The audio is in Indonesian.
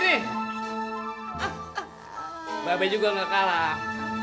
mba be juga gak kalah